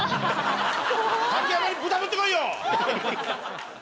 竹山に豚持ってこいよ！